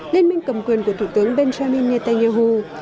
liên minh cầm quyền của thủ tướng benjamin netanyahu